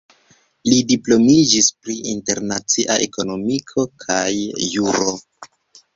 Li diplomiĝis pri internacia ekonomiko kaj juro.